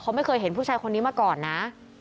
เขาไม่เคยเห็นผู้ชายคนนี้มาก่อนนะ